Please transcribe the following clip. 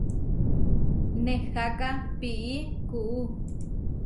Neháka pií kuú.